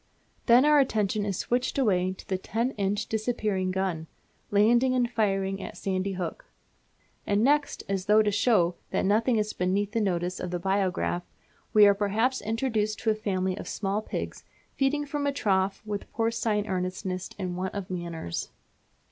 Then our attention is switched away to the 10 inch disappearing gun, landing and firing at Sandy Hook. And next, as though to show that nothing is beneath the notice of the biograph, we are perhaps introduced to a family of small pigs feeding from a trough with porcine earnestness and want of manners.